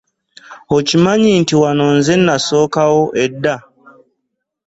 Okimanyi nti wano nze nasookawo edda?